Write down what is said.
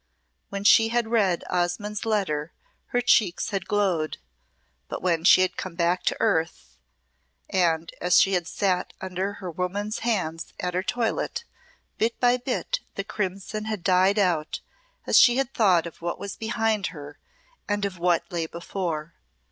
When she had read Osmonde's letter her cheeks had glowed; but when she had come back to earth, and as she had sat under her woman's hands at her toilette, bit by bit the crimson had died out as she had thought of what was behind her and of what lay before.